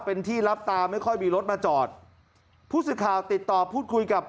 เป็นที่รับตาไม่ค่อยมีรถมาจอดผู้สื่อข่าวติดต่อพูดคุยกับ